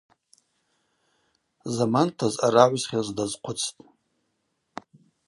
Заманта зъара агӏвсхьаз дазхъвыцтӏ.